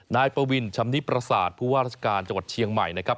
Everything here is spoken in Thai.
นายปวินชำนิประสาทผู้ว่าราชการจังหวัดเชียงใหม่นะครับ